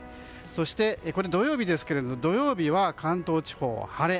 そして、土曜日ですが関東地方は晴れ。